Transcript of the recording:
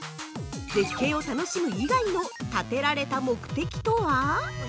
絶景を楽しむ以外の建てられた目的とは？